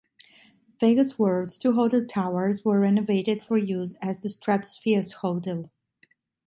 Vegas World's two hotel towers were renovated for use as the Stratosphere's hotel.